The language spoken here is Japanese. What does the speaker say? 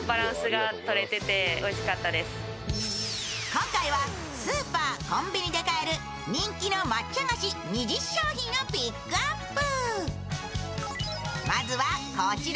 今回はスーパー、コンビニで買える人気の抹茶菓子２０品をピックアップ。